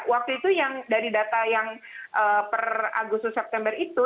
waktu itu yang dari data yang per agustus september itu